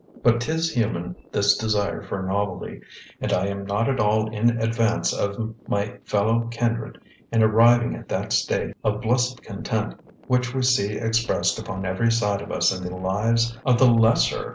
But 'tis human, this desire for novelty, and I am not at all in advance of my fellow kindred in arriving at that stage of blessed content which we see expressed upon every side of us in the lives of the lesser